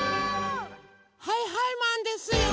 はいはいマンですよ！